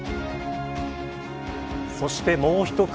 そして、もう１組。